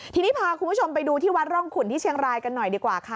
ทีนี้พาคุณผู้ชมไปดูที่วัดร่องขุนที่เชียงรายกันหน่อยดีกว่าค่ะ